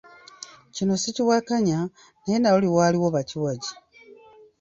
Kino sikiwakanya, naye ne luli waaliwo bakiwagi.